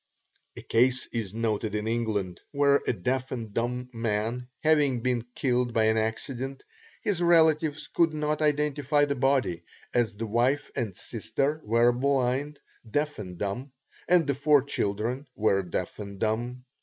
A case is noted in England where a deaf and dumb man having been killed by an accident, his relatives could not identify the body, as the wife and sister were blind, deaf and dumb, and the four children were deaf and dumb.